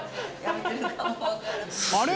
あれ？